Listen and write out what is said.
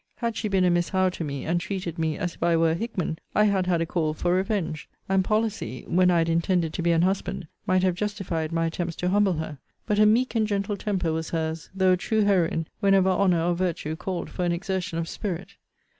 Had she been a Miss Howe to me, and treated me as if I were a Hickman, I had had a call for revenge; and policy (when I had intended to be an husband) might have justified my attempts to humble her. But a meek and gentle temper was her's, though a true heroine, whenever honour or virtue called for an exertion of spirit.